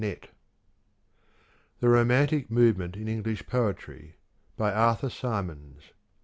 net. " The Romantic Movement in English Poetry." By Arthur Symons.